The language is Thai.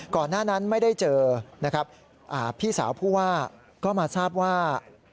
ก่อนหน้านั้นไม่ได้เจอนะครับพี่สาวผู้ว่าก็มาทราบว่า